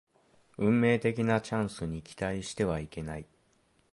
運命的なチャンスに期待してはいけない